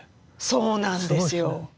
そうなんですよ。